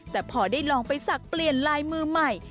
แต่พอได้ลองไปสักเปลี่ยนลายมือใหม่